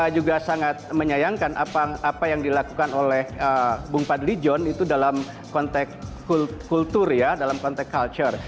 juga sangat menyayangkan apa yang dilakukan oleh bang fadli john itu dalam konteks kultur